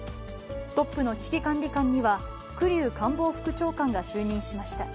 トップの危機管理監には、栗生官房副長官が就任しました。